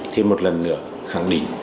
thêm một lần nữa khẳng định